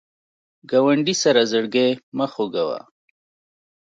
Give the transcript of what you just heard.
ګاونډي سره زړګی مه خوږوه